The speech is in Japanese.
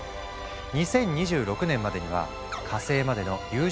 ２０２６年までには火星までの有人飛行を成功